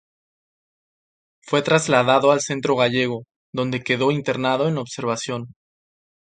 Fue trasladado al Centro Gallego, donde quedó internado en observación.